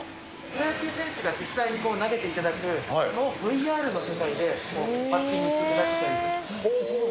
プロ野球選手が実際に投げていただくのを、ＶＲの世界でバッティングしていただけるという。